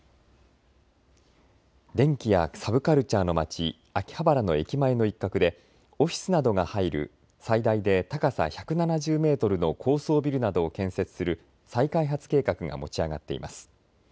電気やサブカルチャーの街、秋葉原の駅前の一角でオフィスなどが入る最大で高さ１７０メートルの高層ビルなどを建設する再開発計画が持ち上がっています。